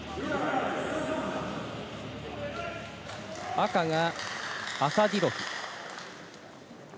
赤がアサディロフ。